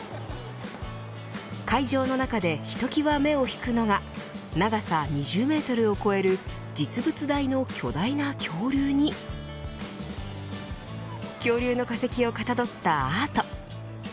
会場の中でひときわ目を引くのが長さ２０メートルを超える実物大の巨大な恐竜に恐竜の化石をかたどったアート。